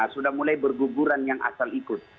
sudah mulai berguguran yang asal ikut